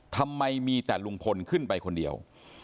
ทำไมมีแต่ลุงพลขึ้นไปคนเดียว